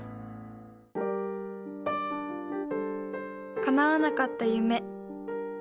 叶わなかった夢。